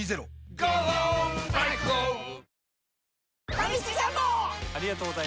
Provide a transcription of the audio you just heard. ファミチキジャンボ！